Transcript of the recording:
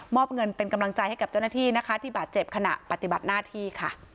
อบเงินเป็นกำลังใจให้กับเจ้าหน้าที่นะคะที่บาดเจ็บขณะปฏิบัติหน้าที่ค่ะ